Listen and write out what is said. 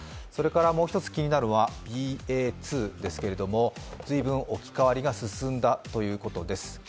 それからもう１つ気になるのは、ＢＡ．２ですけれども、随分置き換わりが進んだということです。